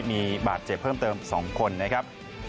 มีบาดเจ็บเพิ่มเติม๒คนนะครับ